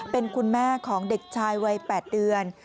เป็นคุณแม่ของเด็กชายวัย๘เดือน